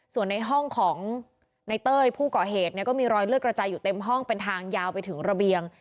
ส่วนในห้องของในเต้ยผู้ก่อเหตุเนี่ยก็มีรอยเลือดกระจายอยู่เต็มห้องเป็นทางยาวไปถึงระเบียง